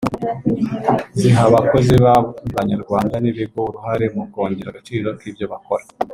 ziha abakozi b’Abanyarwanda n’ibigo uruhare mu kongera agaciro k’ibyo bakora